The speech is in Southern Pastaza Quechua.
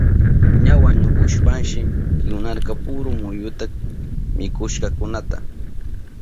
Ña wañuhushpanshi kiwnarka puru muyuta mikushkankunata.